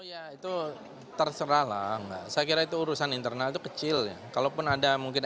oh ya itu terserah lah nggak saya kira itu urusan internal kecilnya kalaupun ada mungkin